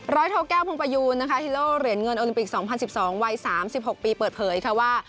ร้อยโทรแก้วพุงประยูนนะคะฮีโร่เหรียญเงินโอลิมปิกสองพันสิบสองวัยสามสิบหกปีเปิดเผยค่ะว่า